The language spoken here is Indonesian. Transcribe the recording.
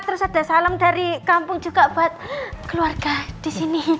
terus ada salam dari kampung juga buat keluarga disini